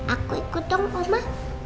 aku ikut dong omah